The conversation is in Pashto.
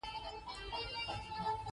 هغه د ملک شمس الدین څخه یاغي شوی وو.